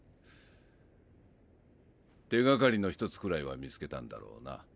手がかりのひとつくらいは見つけたんだろうな？